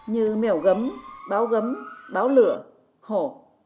như mèo gấm báo gấm báo lửa hổ